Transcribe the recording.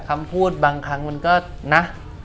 คำพูดบางครั้งมันก็นะ